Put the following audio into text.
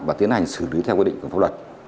và tiến hành xử lý theo quy định của pháp luật